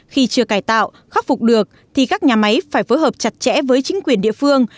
khi chưa cải tạo khắc phục được thì các nhà máy phải phối hợp chặt chẽ với chính quyền địa phương